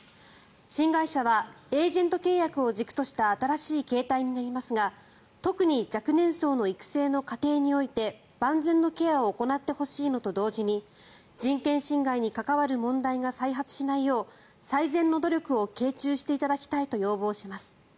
新会社はエージェント契約を軸とした新しい形態になりますが特に若年層の育成の過程において万全のケアを行ってほしいのと同時に人権侵害に関わる問題が再発しないよう最善の努力を傾注していただきたいと要望します。